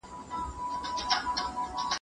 د متیازو سیستم له اوبو ګټه اخلي.